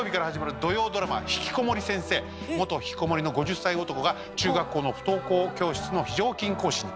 元ひきこもりの５０歳男が中学校の不登校教室の非常勤講師に。